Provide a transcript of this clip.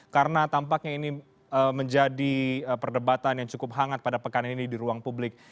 karena tampaknya ini menjadi perdebatan yang cukup hangat pada pekan ini di ruang publik